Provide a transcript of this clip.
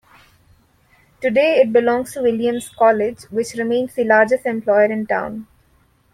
Today, it belongs to Williams College, which remains the largest employer in town.